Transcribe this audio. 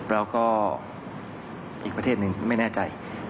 แล้วก็อีกประเทศหนึ่งไม่แน่ใจ